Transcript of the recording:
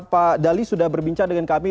pak dali sudah berbincang dengan kami